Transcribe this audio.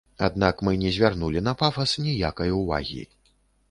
Аднак мы не звярнулі на пафас ніякай увагі.